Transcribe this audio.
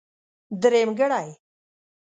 درېمګړی.